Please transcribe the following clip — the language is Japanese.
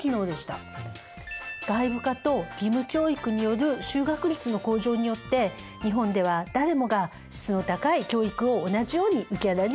外部化と義務教育による就学率の向上によって日本では誰もが質の高い教育を同じように受けられるようになりました。